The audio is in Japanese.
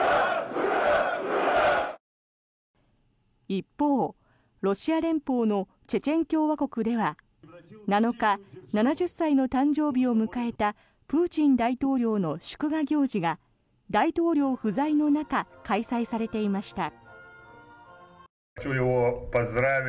一方、ロシア連邦のチェチェン共和国では７日、７０歳の誕生日を迎えたプーチン大統領の祝賀行事が大統領不在の中開催されていました。